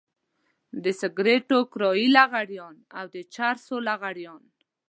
د سګرټو کرايي لغړيان او د چرسو لغړيان.